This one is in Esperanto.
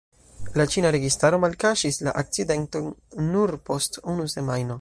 La ĉina registaro malkaŝis la akcidenton nur post unu semajno.